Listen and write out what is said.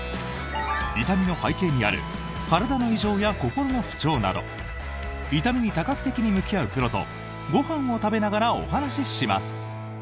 痛みの背景にある体の異常や心の不調など痛みに多角的に向き合うプロとご飯を食べながらお話しします。